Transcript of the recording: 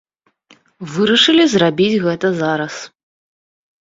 Вырашылі зрабіць гэта зараз.